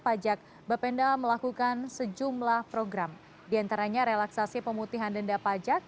pajak bapenda melakukan sejumlah program diantaranya relaksasi pemutihan denda pajak